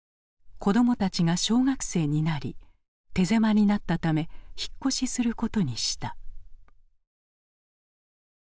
子どもたちが小学生になり手狭になったため引っ越しすることにした。